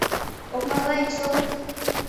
— Окмакла ит шогылт!..